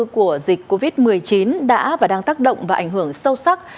của dịch covid một mươi chín đã và đang tác động và ảnh hưởng sâu sắc